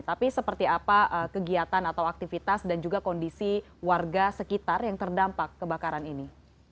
tapi seperti apa kegiatan atau aktivitas dan juga kondisi warga sekitar yang terdampak kebakaran ini